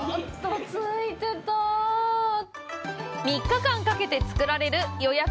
３日間かけて作られる予約